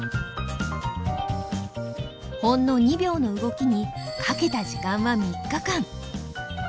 ほんの２秒の動きにかけた時間は３日間。